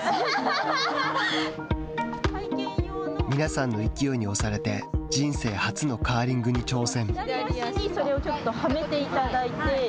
皆さんの勢いに押されて人生初のカーリングに挑戦。